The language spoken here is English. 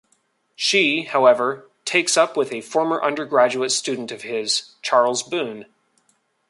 She, however, takes up with a former undergraduate student of his, Charles Boon.